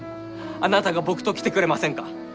あなたが僕と来てくれませんか？